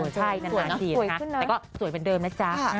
ใช่นานทีนะคะแต่ก็สวยเหมือนเดิมนะจ๊ะ